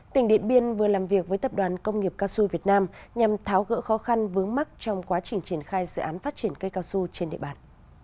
tỉnh điện biên vừa làm việc với tập đoàn công nghiệp cao su việt nam nhằm tháo gỡ khó khăn vướng mắt trong quá trình triển khai dự án phát triển cây cao su trên địa bàn